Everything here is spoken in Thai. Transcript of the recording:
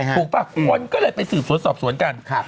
ป่ะคนก็เลยไปสืบสวนสอบสวนกัน